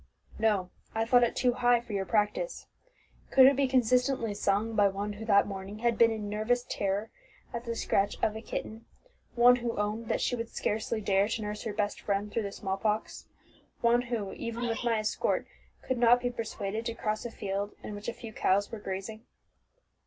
"No, I thought it too high for your practice. Could it be consistently sung by one who that morning had been in nervous terror at the scratch of a kitten; one who owned that she would scarcely dare to nurse her best friend through the small pox; one who, even with my escort, could not be persuaded to cross a field in which a few cows were grazing?"